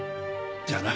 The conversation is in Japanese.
じゃあな。